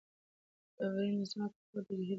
ډبرینه ځمکه پخوا د جهیل برخه وه.